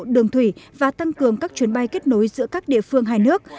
đường thủy và tăng cường các chuyến bay kết nối giữa các địa phương hai nước